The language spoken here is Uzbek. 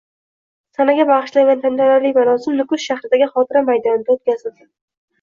Sanaga bag’ishlangan tantanali marosim Nukus shahridagi Xotira maydonida o’tkazildi